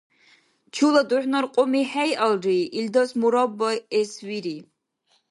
Чула духӀнар кьуми хӀейалри, илдас мурабба эс вири.